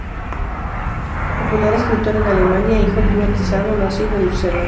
Popular escritor en Alemania, hijo de un artesano, nacido en Lucerna.